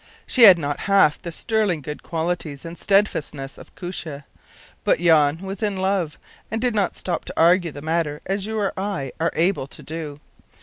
She had not half the sterling good qualities and steadfastness of Koosje; but Jan was in love, and did not stop to argue the matter as you or I are able to do.